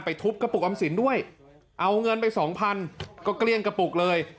ไปทุบกะปุกอำสินด้วยเอาเงินไป๒๐๐๐ก็เกลี้ยงกะปุกเลย